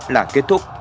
là kết thúc